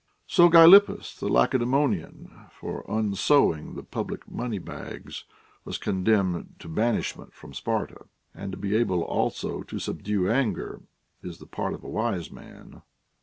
So Gylippus the Lacedaemonian,! for unsewing the public money bags, was condemned to banishment from Sparta. And to be able also to subdue anger is the part of a \vise man.